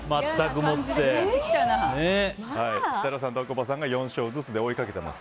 設楽さんと大久保さんが４勝ずつで追いかけています。